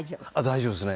大丈夫ですね。